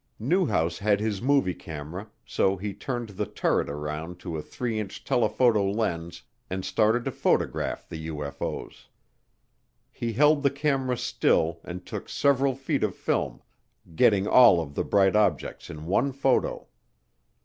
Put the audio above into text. Newhouse had his movie camera so he turned the turret around to a 3 inch telephoto lens and started to photograph the UFO's. He held the camera still and took several feet of film, getting all of the bright objects in one photo.